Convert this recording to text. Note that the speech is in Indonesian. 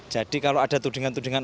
jadi kalau ada tudingan tudingan